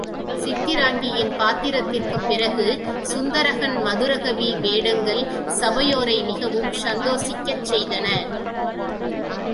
சித்ராங்கியின் பாத்திரத்திற்குப் பிறகு, சுந்தரகன் மதுரகவி வேடங்கள் சபையோரை மிகவும் சந்தோஷிக்கச் செய்தன.